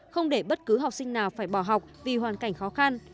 không để bất cứ học sinh nào phải bỏ học vì hoàn cảnh khó khăn